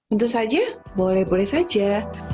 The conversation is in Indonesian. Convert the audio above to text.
untuk saja boleh boleh saja